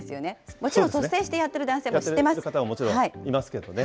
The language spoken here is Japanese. もちろん率先してやってる男性もそういう方ももちろん、いますけどね。